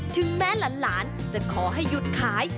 ถึงแม้หลานจะขอให้หยุดขาย